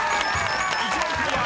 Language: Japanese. ［１問クリア！